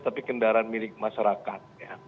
tapi kendaraan milik masyarakat